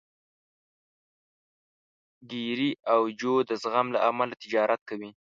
ګېري او جو د زغم له امله تجارت کوي.